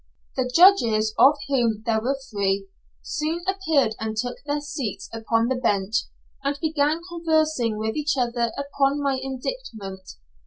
The judges, of whom there were three, soon appeared and took their seats upon the bench, and began conversing with each other upon my indictment.